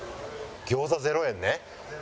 餃子０円ね。